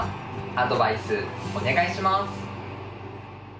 アドバイスお願いします。